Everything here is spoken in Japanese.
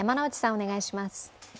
お願いします。